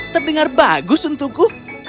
terdengar bagus untukku